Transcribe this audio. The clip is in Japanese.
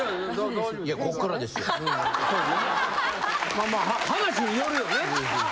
まあまあ話によるよね。